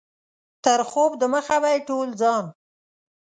تر خوب دمخه به یې ټول ځان.